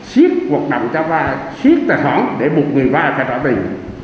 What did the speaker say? siết hoạt động cho vay siết tài khoản để buộc người vay phải trả tiền